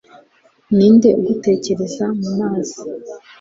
ni nde ugutekereza mu mazi